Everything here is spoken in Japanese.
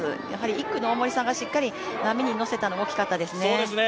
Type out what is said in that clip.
１区の大森さんがしっかり波に乗せたのは大きかったですね。